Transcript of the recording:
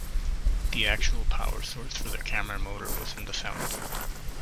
The actual power source for the camera motor was in the sound booth.